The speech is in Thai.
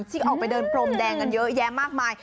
ออกไปเดินพรมแดงกันเยอะแยะมากมาย